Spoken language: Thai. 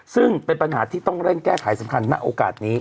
ซึ่งเป็นปัญหาที่ต้องเร่งแก้ไขสำคัญณโอกาสนี้